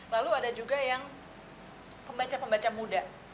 lalu ada juga yang pembaca pembaca muda